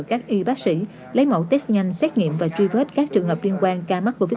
các y bác sĩ lấy mẫu test nhanh xét nghiệm và truy vết các trường hợp liên quan ca mắc covid một mươi chín